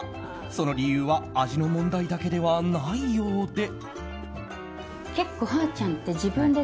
その理由は味の問題だけではないようで。